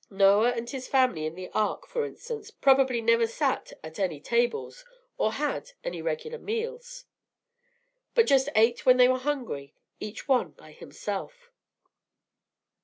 Noah and his family in the ark, for instance, probably never set any tables or had any regular meals, but just ate when they were hungry, each one by himself.